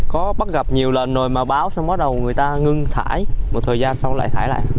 có bắt gặp nhiều lần rồi mà báo xong bắt đầu người ta ngưng thải một thời gian xong lại thải lại